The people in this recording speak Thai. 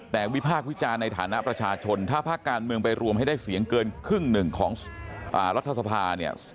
แต่วิพากษ์วิจารณ์ในฐานะประชาชนถ้าภาคการเมืองไปรวมให้ได้เสียงเกินครึ่งหนึ่งของรัฐสภาเนี่ย